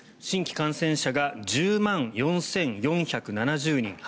新規感染者が１０万４４７０人。